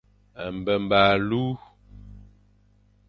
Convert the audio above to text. Mbemba alu.